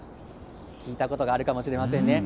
聞いたことがあるかもしれませんね。